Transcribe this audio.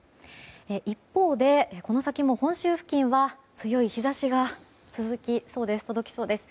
一方で、この先も本州付近は強い日差しが届きそうです。